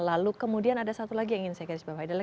lalu kemudian ada satu lagi yang ingin saya kasih bahas